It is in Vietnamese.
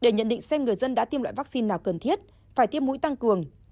để nhận định xem người dân đã tiêm loại vaccine nào cần thiết phải tiêm mũi tăng cường